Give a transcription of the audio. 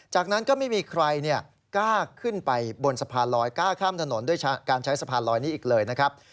จากนั้นก็ไม่มีใครกล้าขึ้นไปบนสะพานลอยกล้าข้ามถนนด้วยการใช้สะพานลอยนี้อีกเลยนะครับ